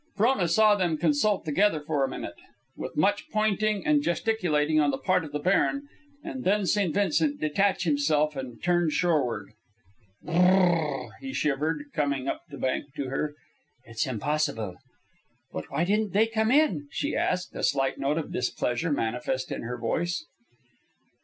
Frona saw them consult together for a minute, with much pointing and gesticulating on the part of the baron, and then St. Vincent detach himself and turn shoreward. "Br r r r," he shivered, coming up the bank to her. "It's impossible." "But why didn't they come in?" she asked, a slight note of displeasure manifest in her voice.